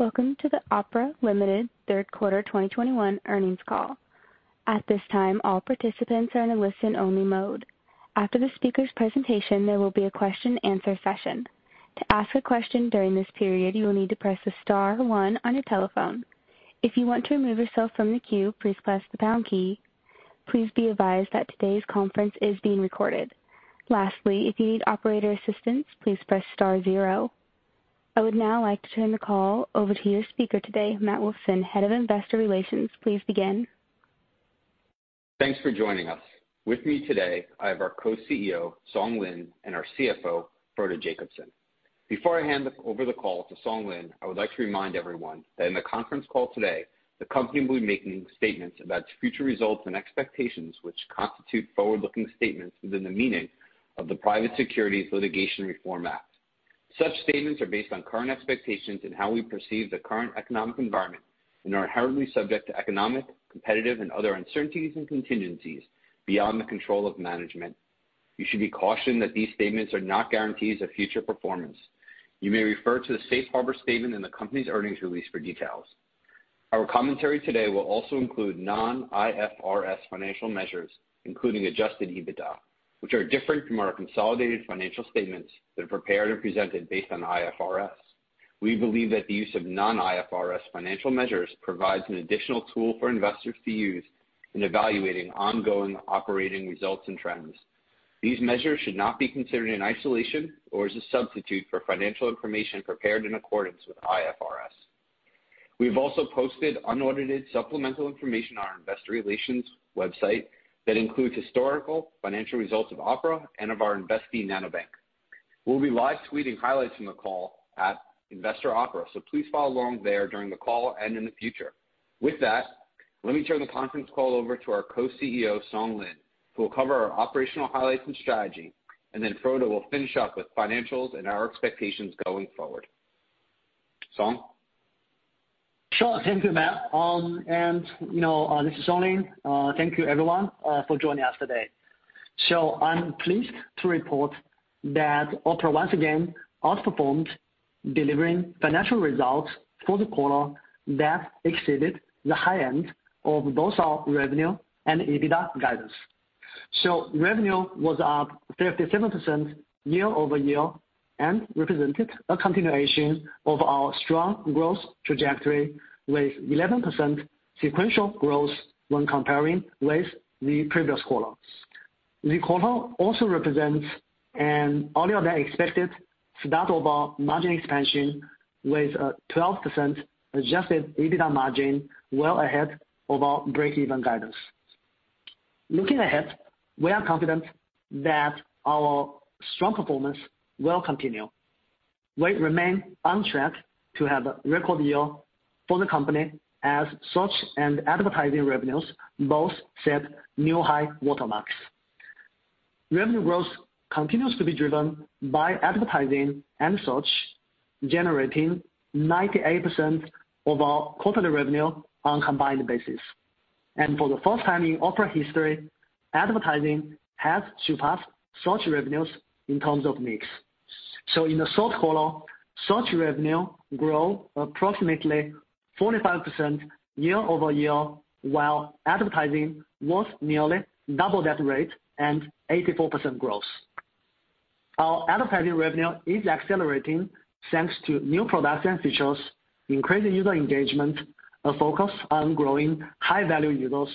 Welcome to the Opera Limited Third Quarter 2021 Earnings Call. At this time, all participants are in a listen-only mode. After the speaker's presentation, there will be a question answer session. To ask a question during this period, you will need to press the star one on your telephone. If you want to remove yourself from the queue, please press the pound key. Please be advised that today's conference is being recorded. Lastly, if you need operator assistance, please press star zero. I would now like to turn the call over to your speaker today, Matt Wolfson, Head of Investor Relations. Please begin. Thanks for joining us. With me today, I have our Co-CEO, Song Lin, and our CFO, Frode Jacobsen. Before I hand over the call to Song Lin, I would like to remind everyone that in the conference call today, the company will be making statements about future results and expectations which constitute forward-looking statements within the meaning of the Private Securities Litigation Reform Act. Such statements are based on current expectations and how we perceive the current economic environment and are inherently subject to economic, competitive, and other uncertainties and contingencies beyond the control of management. You should be cautioned that these statements are not guarantees of future performance. You may refer to the safe harbor statement in the company's earnings release for details. Our commentary today will also include non-IFRS financial measures, including adjusted EBITDA, which are different from our consolidated financial statements that are prepared and presented based on IFRS. We believe that the use of non-IFRS financial measures provides an additional tool for investors to use in evaluating ongoing operating results and trends. These measures should not be considered in isolation or as a substitute for financial information prepared in accordance with IFRS. We have also posted unaudited supplemental information on our investor relations website that includes historical financial results of Opera and of our investee, Nanobank. We'll be live tweeting highlights from the call @InvestorOpera, so please follow along there during the call and in the future. With that, let me turn the conference call over to our Co-CEO, Song Lin, who will cover our operational highlights and strategy, and then Frode will finish up with financials and our expectations going forward. Song? Sure. Thank you, Matt. This is Song Lin. Thank you everyone for joining us today. I'm pleased to report that Opera once again outperformed, delivering financial results for the quarter that exceeded the high end of both our revenue and EBITDA guidance. Revenue was up 37% year-over-year and represented a continuation of our strong growth trajectory with 11% sequential growth when comparing with the previous quarter. The quarter also represents an earlier than expected start of our margin expansion with a 12% adjusted EBITDA margin, well ahead of our break-even guidance. Looking ahead, we are confident that our strong performance will continue. We remain on track to have a record year for the company as search and advertising revenues both set new high watermarks. Revenue growth continues to be driven by advertising and search, generating 98% of our quarterly revenue on combined basis. For the first time in Opera history, advertising has surpassed search revenues in terms of mix. In the short haul, search revenue grow approximately 45% year-over-year, while advertising was nearly double that rate and 84% growth. Our advertising revenue is accelerating thanks to new products and features, increased user engagement, a focus on growing high-value users,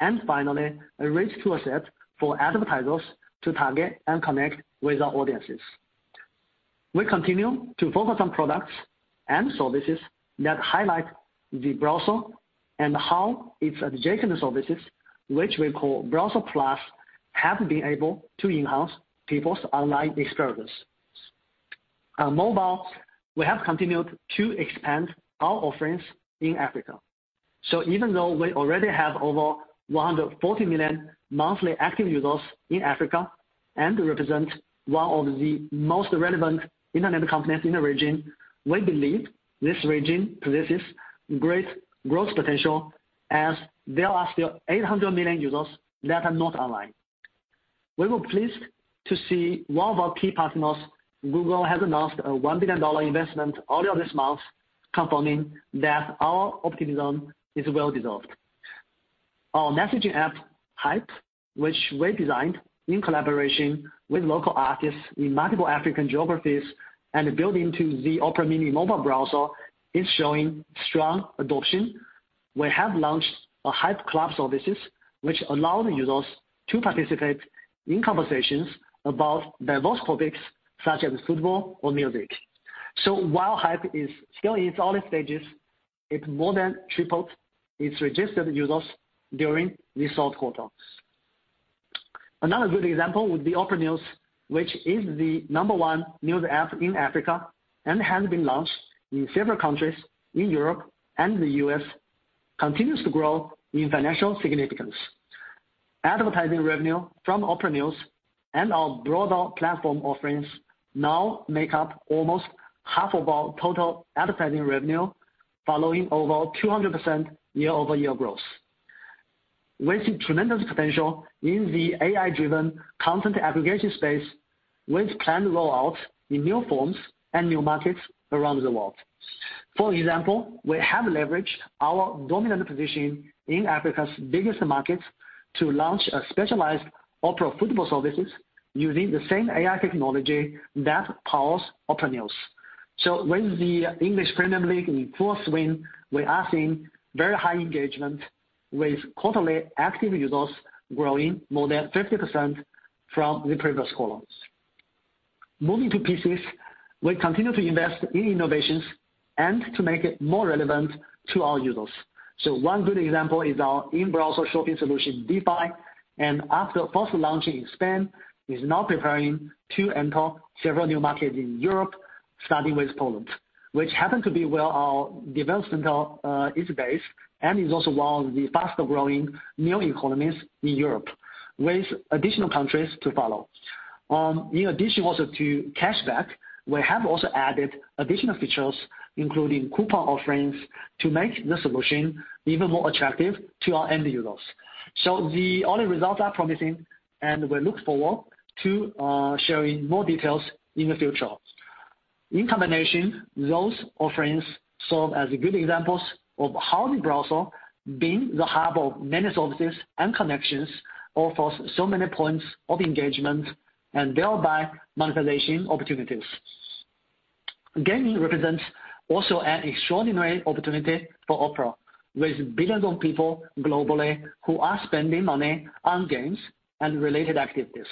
and finally, a rich toolset for advertisers to target and connect with our audiences. We continue to focus on products and services that highlight the browser and how its adjacent services, which we call Browser Plus, have been able to enhance people's online experiences. On mobile, we have continued to expand our offerings in Africa. Even though we already have over 140 million monthly active users in Africa and represent one of the most relevant internet companies in the region, we believe this region possesses great growth potential as there are still 800 million users that are not online. We were pleased to see one of our key partners, Google, has announced a $1 billion investment earlier this month, confirming that our optimism is well-deserved. Our messaging app, Hype, which we designed in collaboration with local artists in multiple African geographies and built into the Opera Mini mobile browser, is showing strong adoption. We have launched a Hype Clubs services which allow the users to participate in conversations about diverse topics such as football or music. While Hype is still in its early stages, it more than tripled its registered users during this short quarter. Another good example would be Opera News, which is the number one news app in Africa and has been launched in several countries in Europe and the U.S., continues to grow in financial significance. Advertising revenue from Opera News and our broader platform offerings now make up almost half of our total advertising revenue, following over 200% year-over-year growth. We see tremendous potential in the AI-driven content aggregation space with planned rollout in new forms and new markets around the world. For example, we have leveraged our dominant position in Africa's biggest markets to launch a specialized Opera Football services using the same AI technology that powers Opera News. With the English Premier League in full swing, we are seeing very high engagement with quarterly active users growing more than 50% from the previous quarters. Moving to PCs, we continue to invest in innovations and to make it more relevant to our users. One good example is our in-browser shopping solution, Dify, and after first launching in Spain, is now preparing to enter several new markets in Europe, starting with Poland, which happened to be where our development center is based, and is also one of the fastest-growing new economies in Europe, with additional countries to follow. In addition also to cashback, we have also added additional features, including coupon offerings, to make the solution even more attractive to our end users. The early results are promising, and we look forward to sharing more details in the future. In combination, those offerings serve as good examples of how the browser, being the hub of many services and connections, offers so many points of engagement and thereby monetization opportunities. Gaming represents also an extraordinary opportunity for Opera, with billions of people globally who are spending money on games and related activities.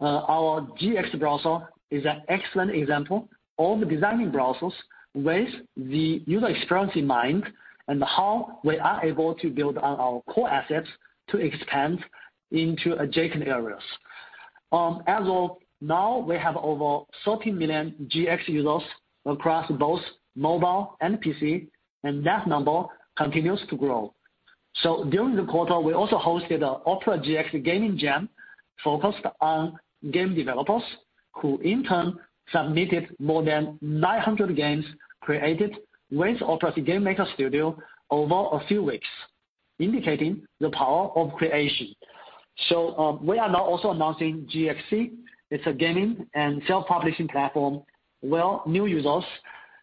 Our GX browser is an excellent example of designing browsers with the user experience in mind and how we are able to build on our core assets to expand into adjacent areas. As of now, we have over 30 million GX users across both mobile and PC, and that number continues to grow. During the quarter, we also hosted an Opera GX Game Jam focused on game developers, who in turn submitted more than 900 games created with Opera's GameMaker Studio over a few weeks, indicating the power of creation. We are now also announcing GXC. It's a gaming and self-publishing platform where new users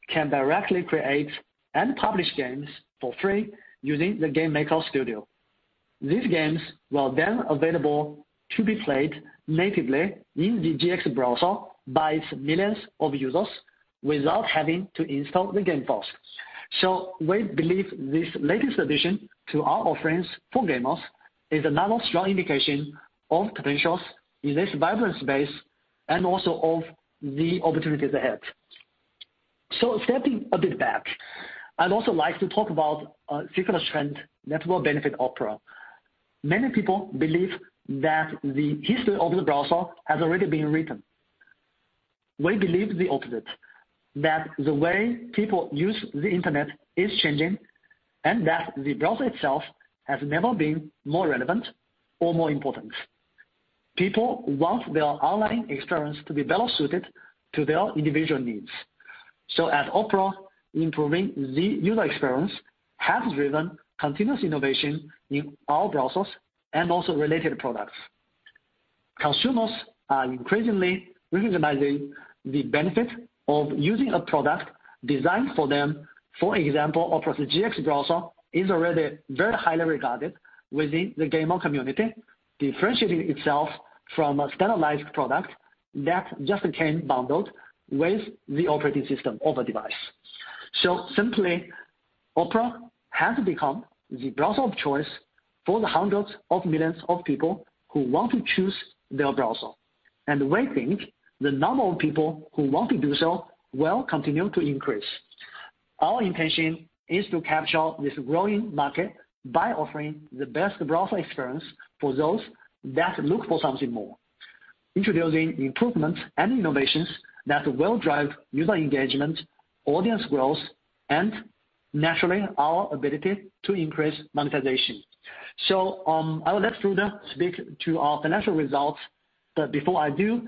can directly create and publish games for free using the GameMaker Studio. These games were then available to be played natively in the GX browser by its millions of users without having to install the game first. We believe this latest addition to our offerings for gamers is another strong indication of potentials in this vibrant space and also of the opportunities ahead. Stepping a bit back, I'd also like to talk about a secular trend that will benefit Opera. Many people believe that the history of the browser has already been written. We believe the opposite, that the way people use the internet is changing and that the browser itself has never been more relevant or more important. People want their online experience to be well suited to their individual needs. At Opera, improving the user experience has driven continuous innovation in our browsers and also related products. Consumers are increasingly recognizing the benefit of using a product designed for them. For example, Opera GX browser is already very highly regarded within the gamer community, differentiating itself from a standardized product that just came bundled with the operating system of a device. Simply, Opera has become the browser of choice for the hundreds of millions of people who want to choose their browser. We think the number of people who want to do so will continue to increase. Our intention is to capture this growing market by offering the best browser experience for those that look for something more, introducing improvements and innovations that will drive user engagement, audience growth, and naturally our ability to increase monetization. I will let Frode speak to our financial results, but before I do,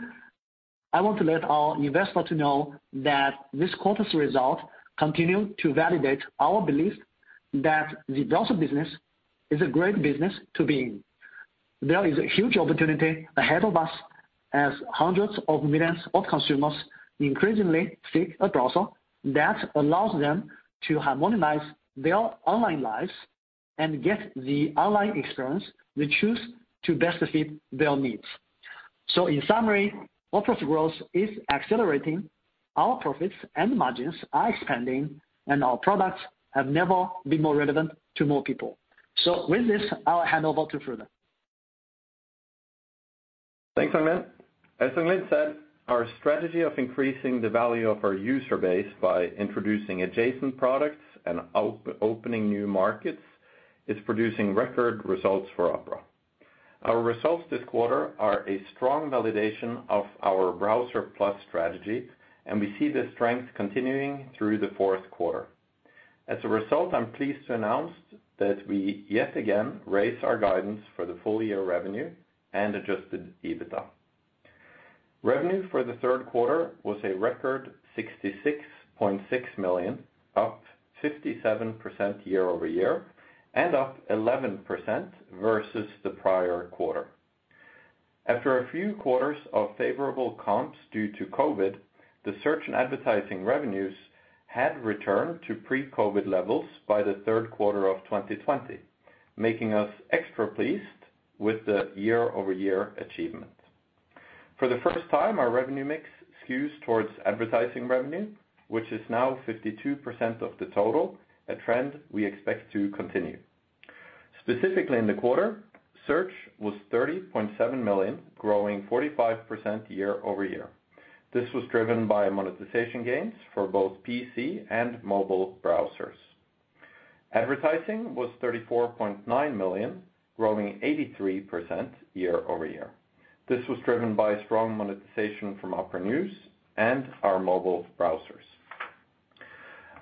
I want to let our investors know that this quarter's result continue to validate our belief that the browser business is a great business to be in. There is a huge opportunity ahead of us as hundreds of millions of consumers increasingly seek a browser that allows them to harmonize their online lives and get the online experience they choose to best fit their needs. In summary, Opera's growth is accelerating, our profits and margins are expanding, and our products have never been more relevant to more people. With this, I'll hand over to Frode. Thanks, Song Lin. As Song Lin said, our strategy of increasing the value of our user base by introducing adjacent products and opening new markets is producing record results for Opera. Our results this quarter are a strong validation of our Browser Plus strategy, and we see the strength continuing through the fourth quarter. As a result, I'm pleased to announce that we, yet again, raised our guidance for the full-year revenue and adjusted EBITDA. Revenue for the third quarter was a record $66.6 million, up 57% year-over-year, and up 11% versus the prior quarter. After a few quarters of favorable comps due to COVID, the search and advertising revenues had returned to pre-COVID levels by the third quarter of 2020, making us extra pleased with the year-over-year achievement. For the first time, our revenue mix skews towards advertising revenue, which is now 52% of the total, a trend we expect to continue. Specifically in the quarter, search was $30.7 million, growing 45% year-over-year. This was driven by monetization gains for both PC and mobile browsers. Advertising was $34.9 million, growing 83% year-over-year. This was driven by strong monetization from Opera News and our mobile browsers.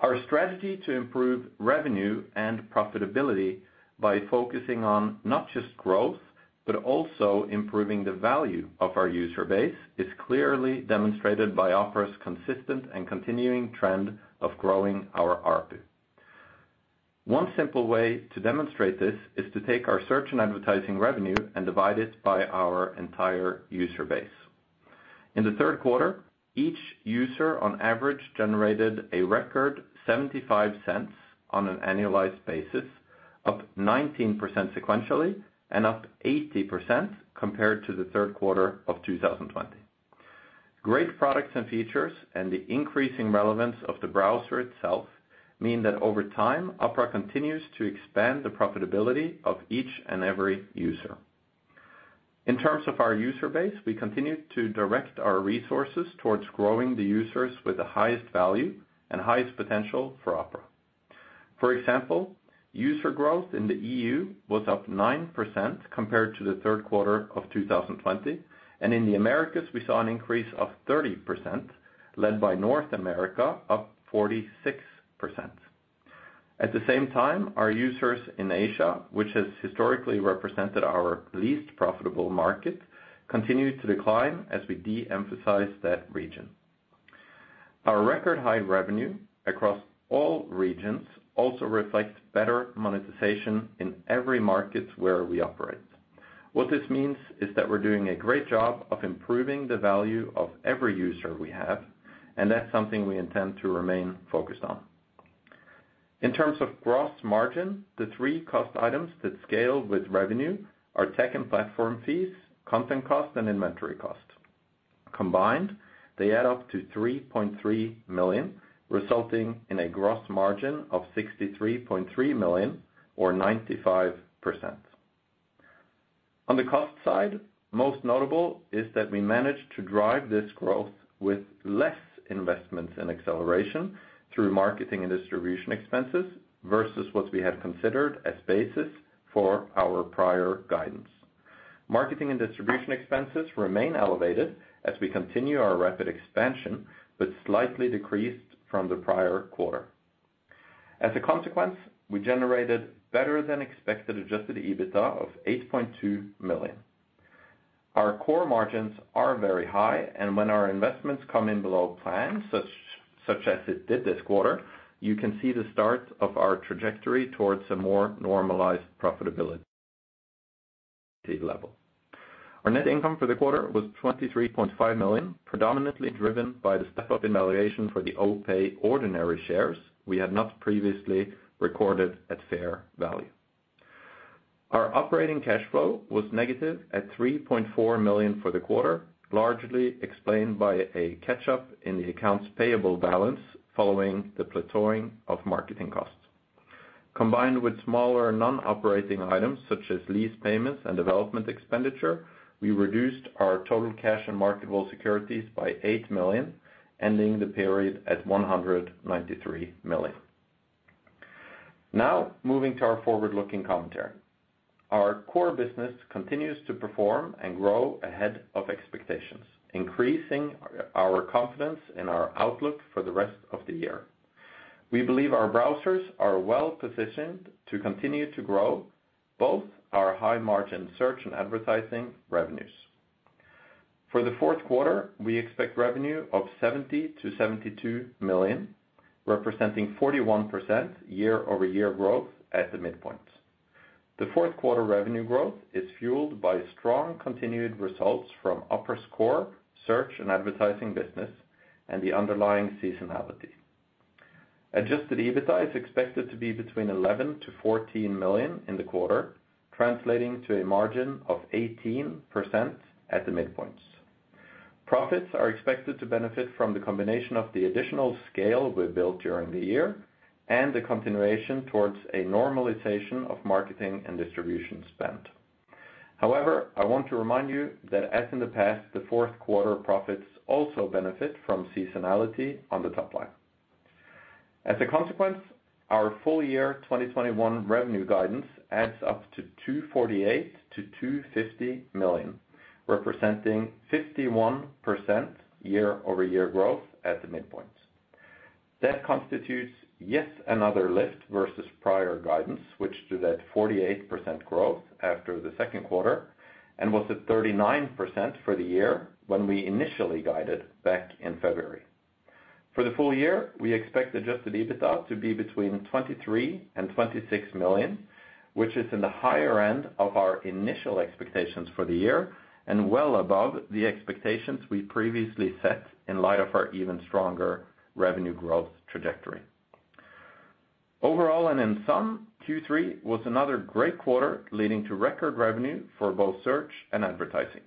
Our strategy to improve revenue and profitability by focusing on not just growth, but also improving the value of our user base, is clearly demonstrated by Opera's consistent and continuing trend of growing our ARPU. One simple way to demonstrate this is to take our search and advertising revenue and divide it by our entire user base. In the third quarter, each user on average generated a record $0.75 on an annualized basis, up 19% sequentially, and up 80% compared to the third quarter of 2020. Great products and features and the increasing relevance of the browser itself mean that over time, Opera continues to expand the profitability of each and every user. In terms of our user base, we continue to direct our resources toward growing the users with the highest value and highest potential for Opera. For example, user growth in the E.U. was up 9% compared to the third quarter of 2020, and in the Americas, we saw an increase of 30%, led by North America, up 46%. At the same time, our users in Asia, which has historically represented our least profitable market, continued to decline as we de-emphasize that region. Our record high revenue across all regions also reflects better monetization in every market where we operate. What this means is that we're doing a great job of improving the value of every user we have, and that's something we intend to remain focused on. In terms of gross margin, the three cost items that scale with revenue are tech and platform fees, content cost, and inventory cost. Combined, they add up to $3.3 million, resulting in a gross margin of $63.3 million or 95%. On the cost side, most notable is that we managed to drive this growth with less investments in acceleration through marketing and distribution expenses versus what we had considered as basis for our prior guidance. Marketing and distribution expenses remain elevated as we continue our rapid expansion, but slightly decreased from the prior quarter. As a consequence, we generated better than expected adjusted EBITDA of $8.2 million. Our core margins are very high, and when our investments come in below plan, such as it did this quarter, you can see the start of our trajectory towards a more normalized profitability level. Our net income for the quarter was $23.5 million, predominantly driven by the step-up in valuation for the OPay ordinary shares we had not previously recorded at fair value. Our operating cash flow was -$3.4 million for the quarter, largely explained by a catch-up in the accounts payable balance following the plateauing of marketing costs. Combined with smaller non-operating items such as lease payments and development expenditure, we reduced our total cash and marketable securities by $8 million, ending the period at $193 million. Now, moving to our forward-looking commentary. Our core business continues to perform and grow ahead of expectations, increasing our confidence in our outlook for the rest of the year. We believe our browsers are well-positioned to continue to grow both our high margin search and advertising revenues. For the fourth quarter, we expect revenue of $70 million-$72 million, representing 41% year-over-year growth at the midpoint. The fourth quarter revenue growth is fueled by strong continued results from Opera's core, search and advertising business and the underlying seasonality. Adjusted EBITDA is expected to be between $11 million-$14 million in the quarter, translating to a margin of 18% at the midpoint. Profits are expected to benefit from the combination of the additional scale we built during the year and the continuation towards a normalization of marketing and distribution spend. However, I want to remind you that as in the past, the fourth quarter profits also benefit from seasonality on the top line. As a consequence, our full year 2021 revenue guidance adds up to $248 million-$250 million, representing 51% year-over-year growth at the midpoint. That constitutes yet another lift versus prior guidance, which did at 48% growth after the second quarter and was at 39% for the year when we initially guided back in February. For the full year, we expect adjusted EBITDA to be between $23 million-$26 million, which is in the higher end of our initial expectations for the year and well above the expectations we previously set in light of our even stronger revenue growth trajectory. Overall, and in sum, Q3 was another great quarter, leading to record revenue for both search and advertising.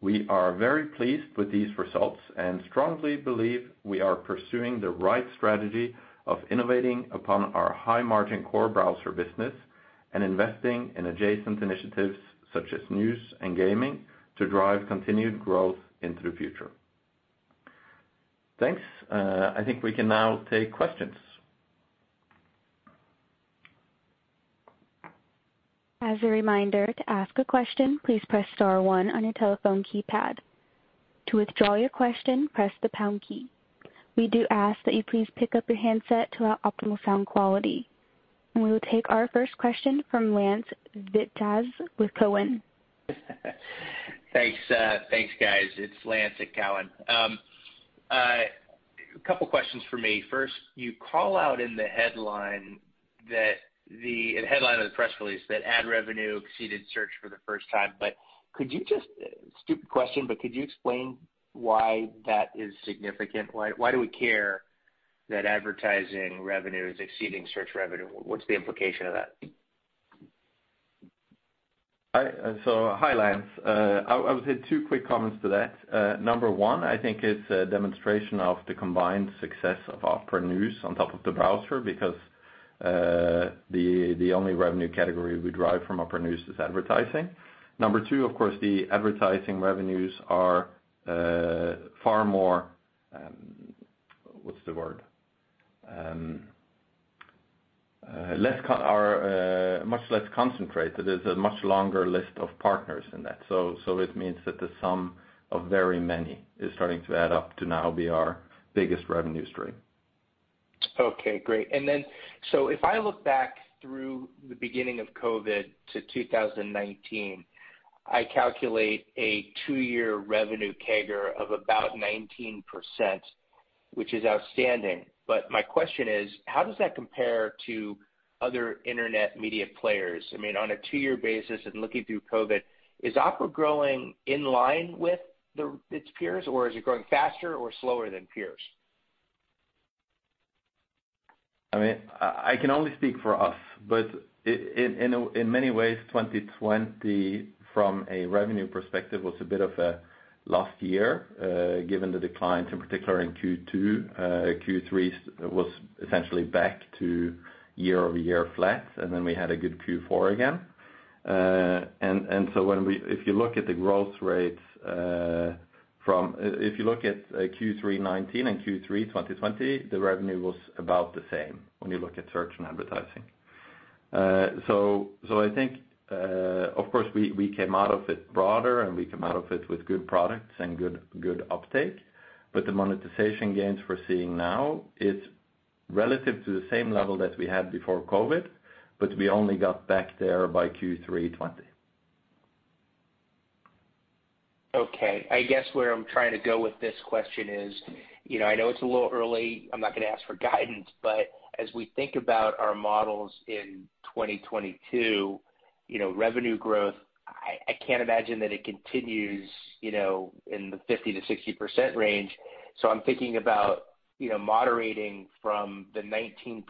We are very pleased with these results and strongly believe we are pursuing the right strategy of innovating upon our high-margin core browser business and investing in adjacent initiatives such as news and gaming to drive continued growth into the future. Thanks. I think we can now take questions. As a reminder, to ask a question, please press star one on your telephone keypad. To withdraw your question, press the pound key. We do ask that you please pick up your handset to allow optimal sound quality. We will take our first question from Lance Vitanza with Cowen. Thanks, guys. It's Lance at Cowen. Couple questions for me. First, you call out in the headline of the press release that ad revenue exceeded search for the first time. But could you just, stupid question, but could you explain why that is significant? Why do we care that advertising revenue is exceeding search revenue? What's the implication of that? Hi, Lance. I would say two quick comments to that. Number one, I think it's a demonstration of the combined success of Opera News on top of the browser because the only revenue category we derive from Opera News is advertising. Number two, of course, the advertising revenues are much less concentrated. There's a much longer list of partners in that. It means that the sum of very many is starting to add up to now be our biggest revenue stream. Okay, great. If I look back through the beginning of COVID to 2019, I calculate a two-year revenue CAGR of about 19%, which is outstanding. My question is, how does that compare to other internet media players? I mean, on a two-year basis and looking through COVID, is Opera growing in line with the its peers or is it growing faster or slower than peers? I mean, I can only speak for us, but in many ways, 2020 from a revenue perspective was a bit of a lost year, given the declines, in particular in Q2. Q3 was essentially back to year-over-year flat, and then we had a good Q4 again. So if you look at the growth rates from Q3 2019 and Q3 2020, the revenue was about the same when you look at search and advertising. So I think, of course, we came out of it broader, and we came out of it with good products and good uptake. The monetization gains we're seeing now is relative to the same level that we had before COVID, but we only got back there by Q3 2020. Okay. I guess where I'm trying to go with this question is, you know, I know it's a little early. I'm not gonna ask for guidance. As we think about our models in 2022, you know, revenue growth, I can't imagine that it continues, you know, in the 50%-60% range. I'm thinking about, you know, moderating from the 19%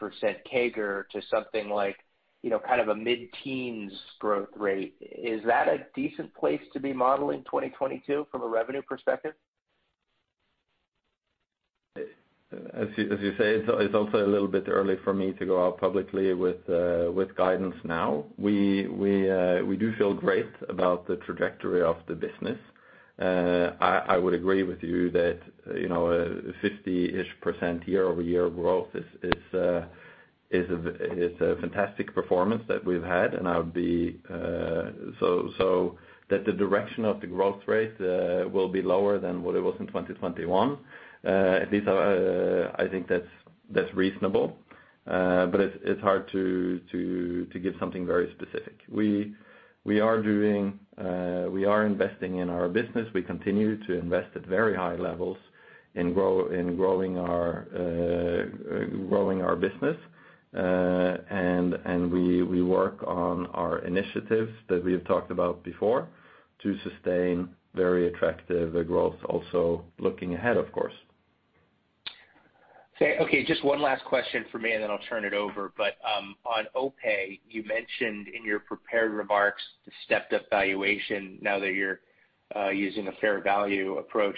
CAGR to something like, you know, kind of a mid-teens growth rate. Is that a decent place to be modeling 2022 from a revenue perspective? As you say, it's also a little bit early for me to go out publicly with guidance now. We do feel great about the trajectory of the business. I would agree with you that, you know, 50-ish percent year-over-year growth is a fantastic performance that we've had, and so that the direction of the growth rate will be lower than what it was in 2021. I think that's reasonable. But it's hard to give something very specific. We are investing in our business. We continue to invest at very high levels in growing our business. We work on our initiatives that we have talked about before to sustain very attractive growth also looking ahead, of course. Okay, just one last question for me, and then I'll turn it over. On OPay, you mentioned in your prepared remarks the stepped up valuation now that you're using a fair value approach.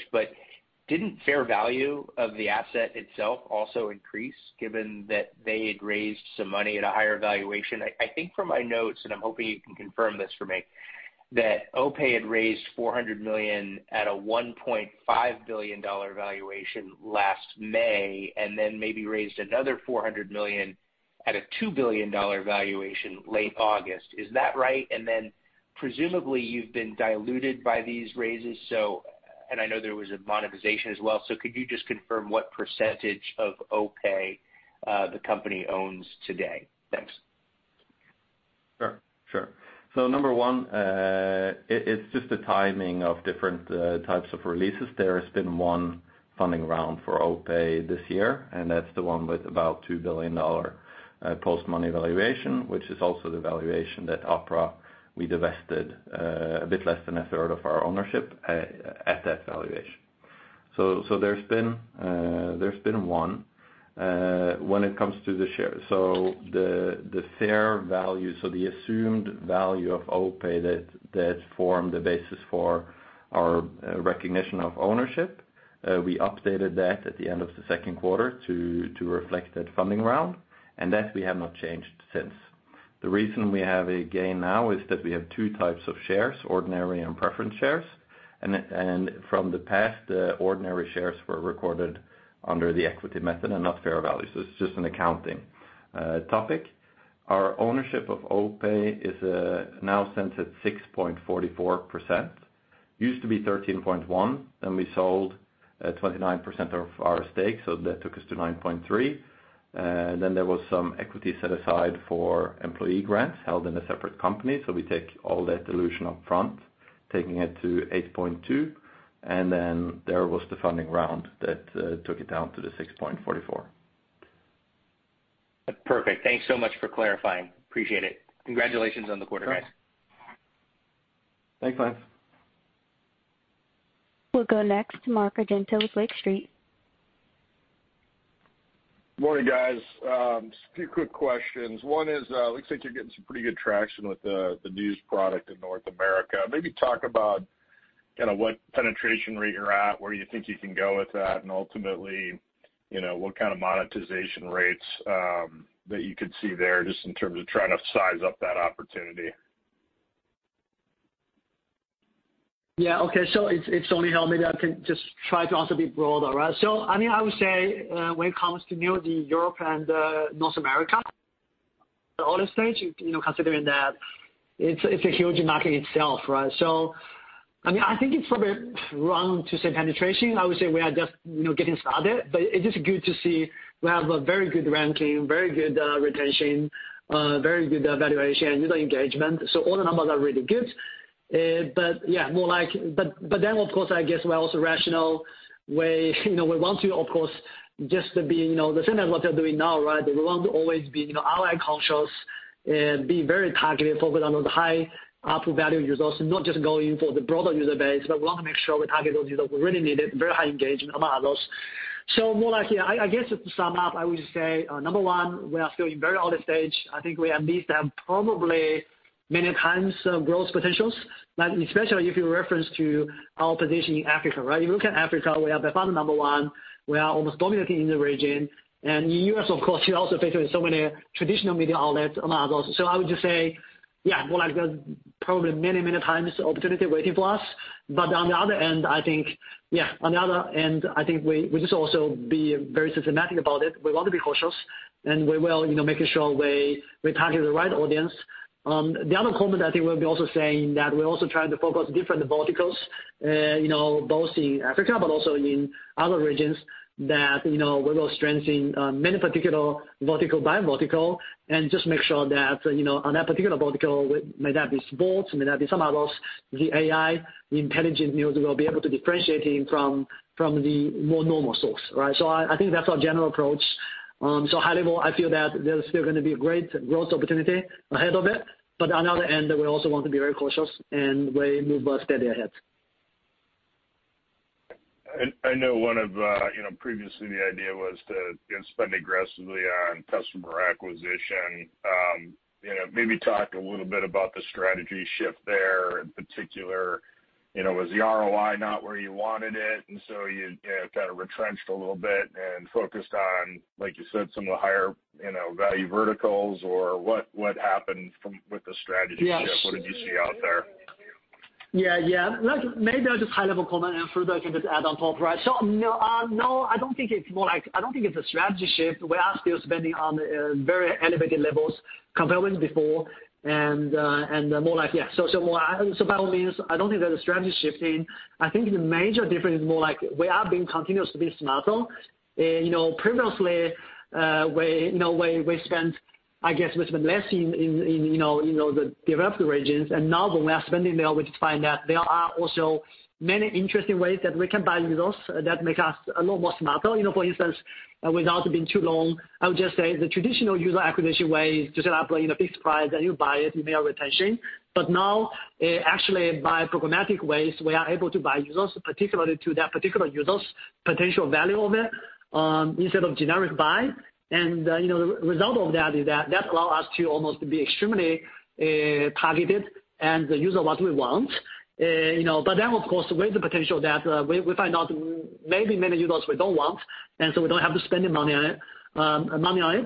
Didn't fair value of the asset itself also increase given that they had raised some money at a higher valuation? I think from my notes, and I'm hoping you can confirm this for me, that OPay had raised $400 million at a $1.5 billion valuation last May, and then maybe raised another $400 million at a $2 billion valuation late August. Is that right? Then presumably you've been diluted by these raises. I know there was a monetization as well. Could you just confirm what percentage of OPay the company owns today? Thanks. Sure. Number one, it's just the timing of different types of releases. There has been one funding round for OPay this year, and that's the one with about $2 billion post-money valuation, which is also the valuation that Opera we divested a bit less than a third of our ownership at that valuation. There's been one. When it comes to the share. The fair value, the assumed value of OPay that formed the basis for our recognition of ownership, we updated that at the end of the second quarter to reflect that funding round, and that we have not changed since. The reason we have a gain now is that we have two types of shares, ordinary and preference shares. In the past, ordinary shares were recorded under the equity method and not fair value. It's just an accounting topic. Our ownership of OPay now stands at 6.44%. Used to be 13.1%, then we sold 29% of our stake, so that took us to 9.3%. There was some equity set aside for employee grants held in a separate company. We take all that dilution up front, taking it to 8.2%. There was the funding round that took it down to the 6.44%. Perfect. Thanks so much for clarifying. Appreciate it. Congratulations on the quarter, guys. Thanks, Lance. We'll go next to Mark Argento with Lake Street. Morning, guys. Just a few quick questions. One is, it looks like you're getting some pretty good traction with the news product in North America. Maybe talk about kinda what penetration rate you're at, where you think you can go with that, and ultimately, you know, what kind of monetization rates that you could see there, just in terms of trying to size up that opportunity. Yeah. Okay. It's only helped me that I can just try to also be broader, right? I mean, I would say when it comes to in Europe and North America, we're in the early stage, you know, considering that it's a huge market itself, right? I mean, I think it's probably wrong to say penetration. I would say we are just, you know, getting started. It's just good to see we have a very good ranking, very good retention, very good validation, user engagement. All the numbers are really good. Yeah, more like then, of course, I guess we're also rational. We, you know, want to, of course, just to be, you know, the same as what we're doing now, right? We want to always be, you know, AI conscious and be very targeted, focused on those high output value users, not just going for the broader user base, but we want to make sure we target those users who really need it, very high engagement among those. More like, yeah, I guess to sum up, I would say, number one, we are still in very early stage. I think we at least have probably many times of growth potentials, like especially if you reference to our position in Africa, right? If you look at Africa, we are by far the number one. We are almost dominating in the region. In U.S., of course, you're also facing so many traditional media outlets among those. I would just say, yeah, more like there's probably many, many times opportunity waiting for us. On the other end, I think we just also be very systematic about it. We want to be cautious, and we will, you know, making sure we target the right audience. The other comment I think we'll be also saying that we're also trying to focus different verticals, you know, both in Africa but also in other regions that, you know, we will strengthen many particular vertical by vertical and just make sure that, you know, on that particular vertical, may that be sports, may that be some others, the AI, the intelligent news will be able to differentiating from the more normal source, right? I think that's our general approach. High level, I feel that there's still gonna be a great growth opportunity ahead of it. On the other end, we also want to be very cautious, and we move steady ahead. I know, you know, previously the idea was to, you know, spend aggressively on customer acquisition. You know, maybe talk a little bit about the strategy shift there. In particular, you know, was the ROI not where you wanted it, and so you kind of retrenched a little bit and focused on, like you said, some of the higher, you know, value verticals? Or what happened with the strategy shift? Yes. What did you see out there? Yeah, yeah. Let's maybe I'll just high-level comment and further give it add on top, right? No, I don't think it's more like I don't think it's a strategy shift. We are still spending on very elevated levels compared with before and more like, yeah. So more by all means, I don't think there's a strategy shifting. I think the major difference is more like we are being continuously smarter. You know, previously, we you know we spent, I guess we spent less in in you know in you know the developed regions. Now that we are spending there, we just find that there are also many interesting ways that we can buy users that make us a lot more smarter. You know, for instance, without it being too long, I would just say the traditional user acquisition way is to set up, you know, a fixed price, and you buy it, you pay a retention. But now, actually, by programmatic ways, we are able to buy users, particularly to that particular user's potential value of it, instead of generic buy. You know, result of that is that allow us to almost be extremely targeted and the user what we want. You know, of course, with the potential that we find out maybe many users we don't want, and so we don't have to spend any money on it,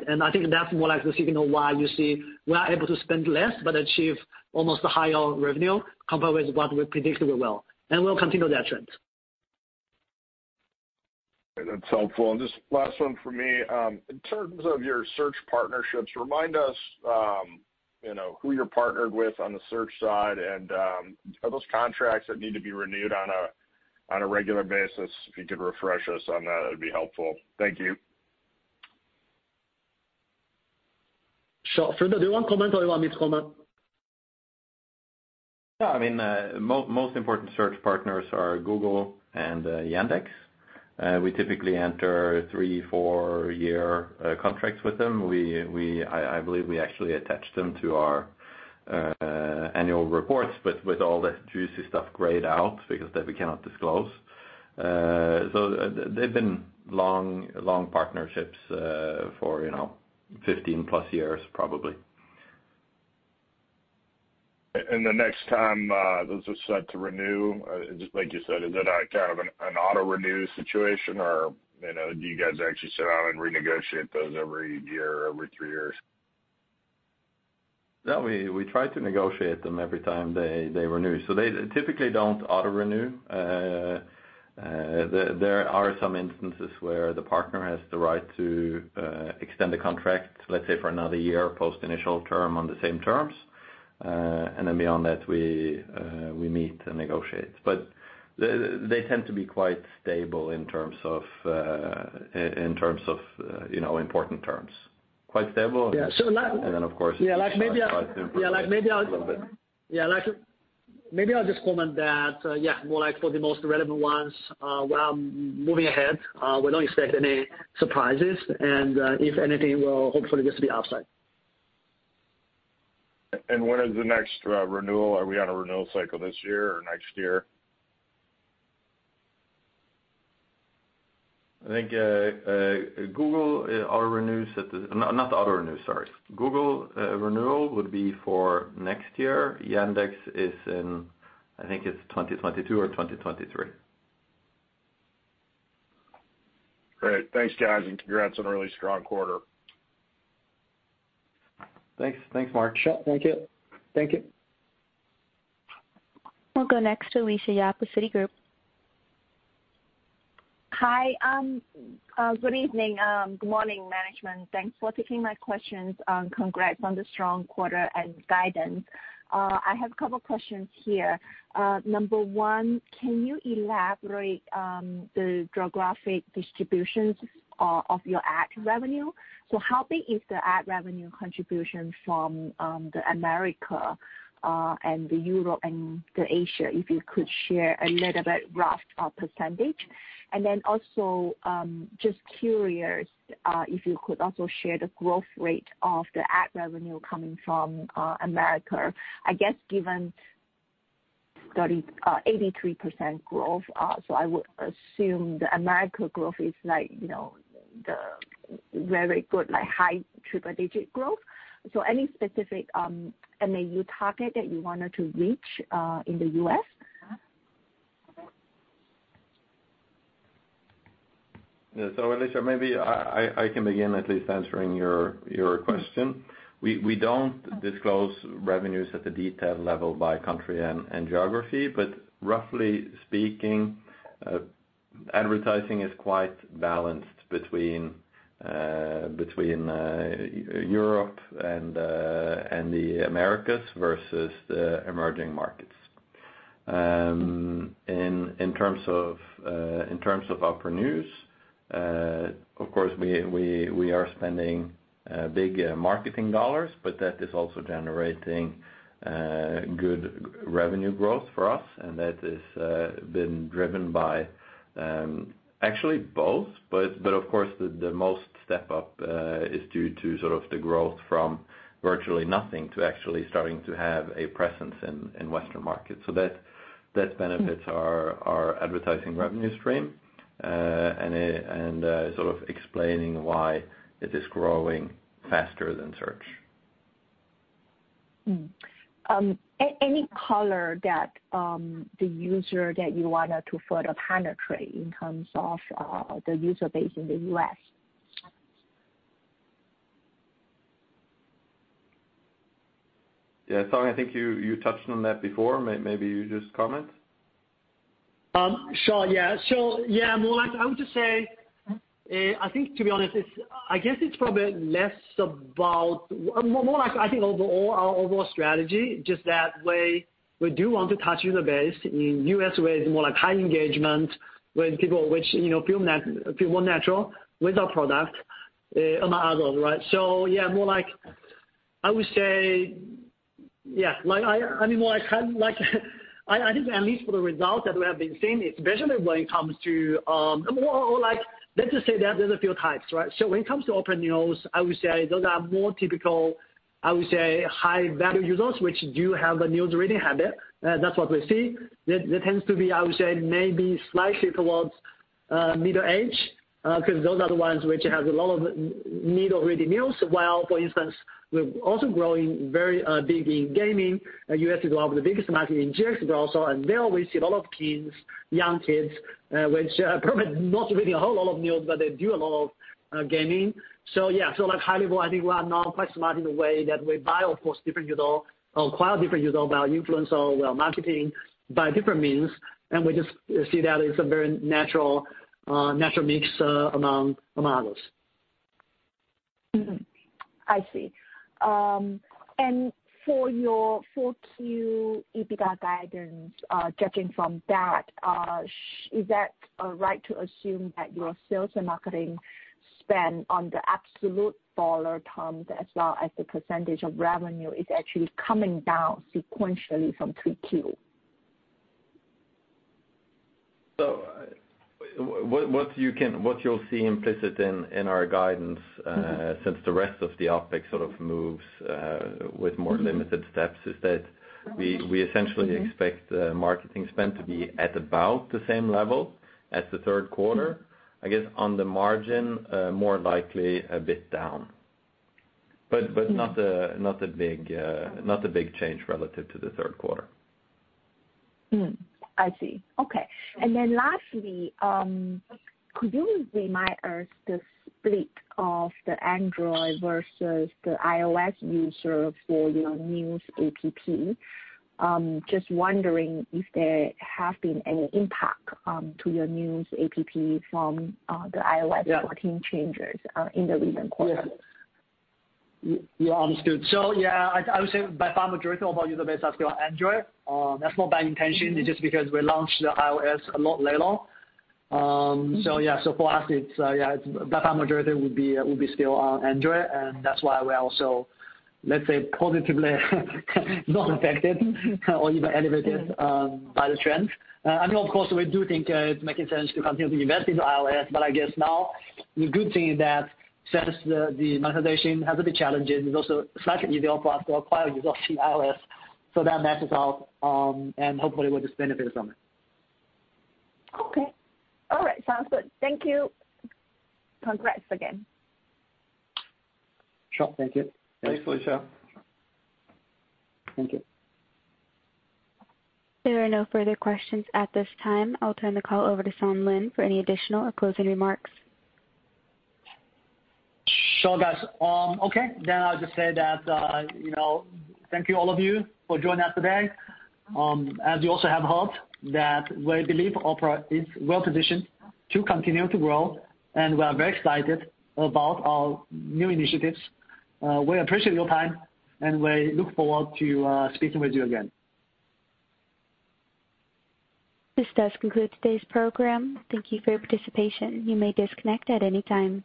and I think that's more like the signal why you see we are able to spend less but achieve almost a higher revenue compared with what we predicted we will. We'll continue that trend. That's helpful. Just last one for me. In terms of your search partnerships, remind us, you know, who you're partnered with on the search side and, are those contracts that need to be renewed on a regular basis? If you could refresh us on that'd be helpful. Thank you. Sure. Frode, do you wanna comment or you want me to comment? No, I mean, most important search partners are Google and Yandex. We typically enter three, four year contracts with them. I believe we actually attach them to our annual reports, but with all the juicy stuff grayed out because that we cannot disclose. They've been long partnerships for, you know, 15+ years, probably. The next time those are set to renew, just like you said, is it a kind of an auto-renew situation, or, you know, do you guys actually sit down and renegotiate those every year, every three years? No, we try to negotiate them every time they renew. They typically don't auto-renew. There are some instances where the partner has the right to extend the contract, let's say, for another year post initial term on the same terms. Then beyond that, we meet and negotiate. They tend to be quite stable in terms of, you know, important terms. Quite stable. Yeah. Like. Of course. Yeah, like, maybe I'll just comment that, yeah, more like for the most relevant ones, well, moving ahead, we don't expect any surprises, and, if anything, we'll hopefully just be upside. When is the next renewal? Are we on a renewal cycle this year or next year? I think Google renewal would be for next year. Yandex is in, I think it's 2022 or 2023. Great. Thanks, guys, and congrats on a really strong quarter. Thanks. Thanks, Mark. Sure. Thank you. Thank you. We'll go next to Alicia Yap with Citigroup. Hi. Good evening, good morning, management. Thanks for taking my questions, and congrats on the strong quarter and guidance. I have a couple of questions here. Number one, can you elaborate the geographic distributions of your ad revenue? How big is the ad revenue contribution from the America, and the Europe and the Asia? If you could share a little bit rough percentage. Just curious, if you could also share the growth rate of the ad revenue coming from America. I guess given 83% growth, so I would assume the America growth is like, you know, the very good, like high triple digit growth. Any specific MAU target that you wanted to reach in the U.S.? Yeah. Alicia, maybe I can begin at least answering your question. We don't disclose revenues at the detailed level by country and geography, but roughly speaking, advertising is quite balanced between Europe and the Americas versus the emerging markets. In terms of our news, of course, we are spending big marketing dollars, but that is also generating good revenue growth for us, and that has been driven by actually both. Of course, the most step up is due to sort of the growth from virtually nothing to actually starting to have a presence in Western markets. That benefits our advertising revenue stream, and sort of explaining why it is growing faster than search. Any color that the user that you wanted to further penetrate in terms of the user base in the U.S.? Yeah. Song, I think you touched on that before. Maybe you just comment. Sure, yeah. Yeah, more like I would just say, I think to be honest, it's probably less about more like I think overall, our overall strategy, just that way we do want to touch user base in U.S. where it's more like high engagement with people which, you know, feel more natural with our product among others, right? Yeah, more like I would say, yeah, I mean, more like I think at least for the results that we have been seeing, especially when it comes to more like, let's just say that there's a few types, right? When it comes to Opera News, I would say those are more typical, I would say high value users, which do have a news reading habit. That's what we see. That tends to be, I would say, maybe slightly towards middle-aged, 'cause those are the ones which has a lot of need for news already. While, for instance, we're also growing very big in gaming. U.S. is one of the biggest market in games growth also, and there we see a lot of kids, young kids, which are probably not reading a whole lot of news, but they do a lot of gaming. Yeah, so like high level, I think we are now quite smart in the way that we buy, of course, different user or acquire different user via influencer or via marketing by different means. We just see that as a very natural mix among others. I see. For your 4Q EBITDA guidance, judging from that, is that right to assume that your sales and marketing spend in the absolute dollar terms as well as the percentage of revenue is actually coming down sequentially from 3Q? What you'll see implicit in our guidance, since the rest of the OpEx sort of moves with more limited steps, is that we essentially expect marketing spend to be at about the same level as the third quarter. I guess on the margin, more likely a bit down. Not a big change relative to the third quarter. I see. Okay. Lastly, could you remind us the split of the Android versus the iOS user for your News app? Just wondering if there have been any impact to your News app from the iOS- Yeah. 14 changes in the recent quarter? Yeah, understood. I would say by far majority of our user base are still Android. That's not by intention. It's just because we launched the iOS a lot later on. For us it's yeah, it's by far majority would be still on Android, and that's why we're also, let's say, positively not affected or even elevated by the trend. I mean, of course, we do think it's making sense to continue to invest into iOS, but I guess now the good thing is that since the monetization has been a bit challenging, it's also slightly easier for us to acquire users on iOS. That matches up, and hopefully we'll just benefit from it. Okay. All right, sounds good. Thank you. Congrats again. Sure. Thank you. Thanks, Alicia. Thank you. There are no further questions at this time. I'll turn the call over to Song Lin for any additional or closing remarks. Sure, guys. I'll just say that, you know, thank you all of you for joining us today. As you also have heard that we believe Opera is well positioned to continue to grow, and we are very excited about our new initiatives. We appreciate your time, and we look forward to speaking with you again. This does conclude today's program. Thank you for your participation. You may disconnect at any time.